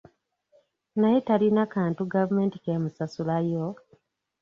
Naye talina kantu gavumenti k'emusasula yo!